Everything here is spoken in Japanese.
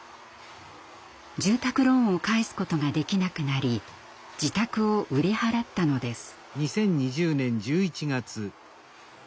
住宅ローンを返すことができなくなり自宅を売り払ったのです。